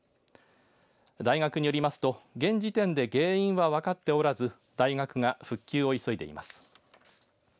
大学によりますと現時点で原因は分かっておらず大学が復旧を急いでいます。